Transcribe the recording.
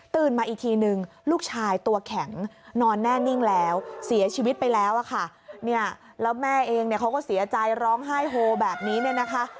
มาอีกทีนึงลูกชายตัวแข็งนอนแน่นิ่งแล้วเสียชีวิตไปแล้วอะค่ะเนี่ยแล้วแม่เองเนี่ยเขาก็เสียใจร้องไห้โฮแบบนี้เนี่ยนะคะ